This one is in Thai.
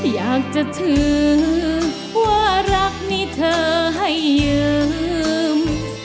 อยากจะถือว่ารักนี่เธอให้ยืม